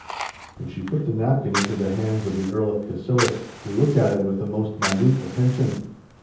And she put the napkin into the hands of the Earl of Cassillis, who looked at it with the most minute attention.